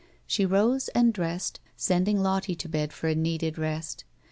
She rose and dressed, sending Lottie to bed for a needed rest.